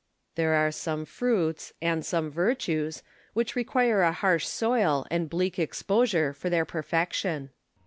There are some fruits, and some virtues, which require a harsh soil and bleak exposure for their perfection.